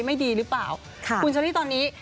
ไม่ดีหรือเปล่าคุณเชอรี่ตอนนี้